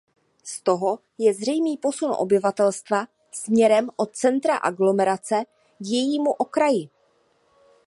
Z toho je zřejmý posun obyvatelstva směrem od centra aglomerace k jejímu okraji.